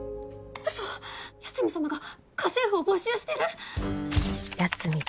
ウソ八海サマが家政婦を募集してる！？